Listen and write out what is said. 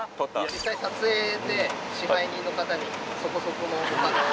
実際撮影で支配人の方にそこそこのお金を。